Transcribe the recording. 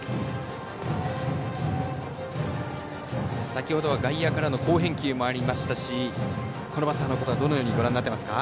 先ほどは外野からの好返球もありましたしこのバッターはどのように見られていますか？